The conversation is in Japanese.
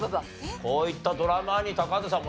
こういったドラマに高畑さん